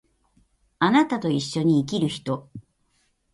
貴方と一緒に生きる人